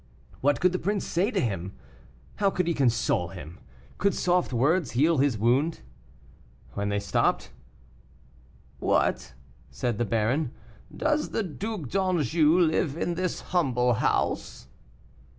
What could the prince say to him? How could he console him? Could soft words heal his wound? When they stopped, "What," said the baron, "does the Duc d'Anjou live in this humble house?"